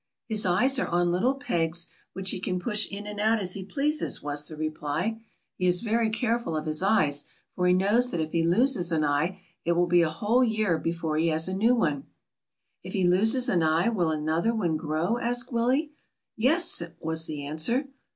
"His eyes are on little pegs which he can push in and out as he pleases," was the reply. "He is very careful of his eyes, for he knows that if he loses an eye, it will be a whole year before he has a new one." "If he loses an eye, will another one grow?" asked Willie. "Yes," was the answer.